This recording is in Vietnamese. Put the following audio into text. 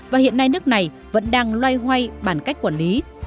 và hiện nay nước này vẫn đang loay hoay bàn cách quản lý